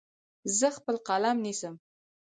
زه خپل قلم نیسم.